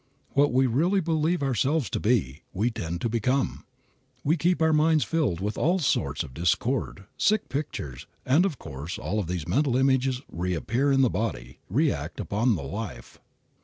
What we really believe ourselves to be, we tend to become. We keep our minds filled with all sorts of discordant, sick pictures, and of course all of these mental images reappear in the body, react upon the life.